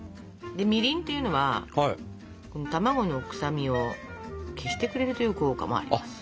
みりんっていうのは卵の臭みを消してくれるという効果もあります。